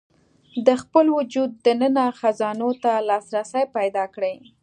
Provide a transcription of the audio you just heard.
د خپل وجود دننه خزانو ته لاسرسی پيدا کړي.